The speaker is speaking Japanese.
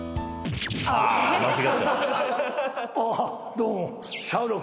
どうも。